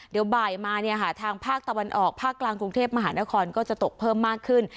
เดี๋ยวบ่ายมาเนี่ยค่ะทางภาคตะวันออกภาคกลางกรุงเทพมหานครก็จะตกเพิ่มมากขึ้น